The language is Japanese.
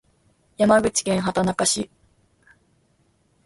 山口県畑中市